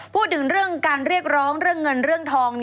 พูดถึงเรื่องการเรียกร้องเรื่องเงินเรื่องทอง